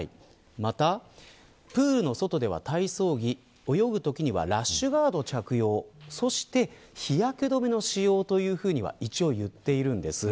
また、プールの外では体操着泳ぐときにはラッシュガードを着用そして日焼け止めの使用というふうには一応言っているんです。